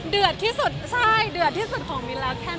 เดือดที่สุดใช่เดือดที่สุดของมิ้นแล้วแค่นั้น